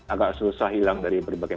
agak susah hilang dari berbagai